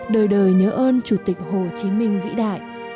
đời đời nhớ ơn chủ tịch hồ chí minh vĩ đại